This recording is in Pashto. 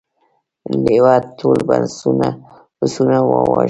لیوه ټول پسونه وواژه.